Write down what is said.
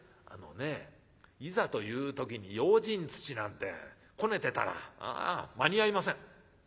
「あのねいざという時に用心土なんてこねてたら間に合いません。